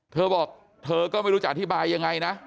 เธอบอกเธอก็ไม่รู้จะอธิบายยังไงนะ